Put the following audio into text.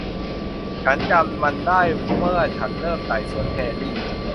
ฉันจำมันได้เมื่อฉันเริ่มไต่สวนแฮร์รี่